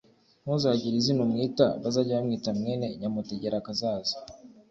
ntuzagire izina umwita, bazage bamwita mwene Nyamutegerakazaza.